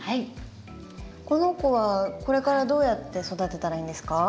この子はこれからどうやって育てたらいいんですか？